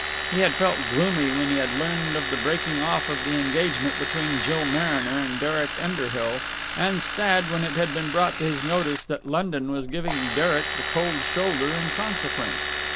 He had felt gloomy when he had learned of the breaking off of the engagement between Jill Mariner and Derek Underhill, and sad when it had been brought to his notice that London was giving Derek the cold shoulder in consequence.